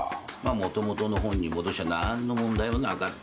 もともとの本に戻しゃ何の問題もなかったわけだ。